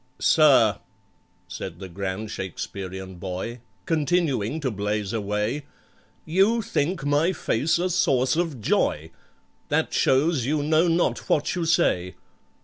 "Sir," said the grand Shakesperian boy (Continuing to blaze away), "You think my face a source of joy; That shows you know not what you say.